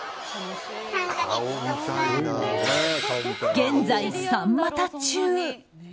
現在３股中。